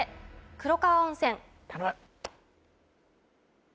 黒川温泉